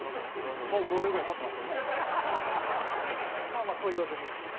まあまあそう言わずに。